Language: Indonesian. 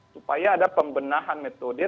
supaya ada pembenahan metode